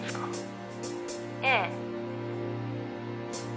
「ええ」